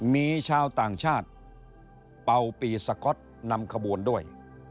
มีชาวต่างชาติเป่าปีสก๊อตนำขบวนด้วย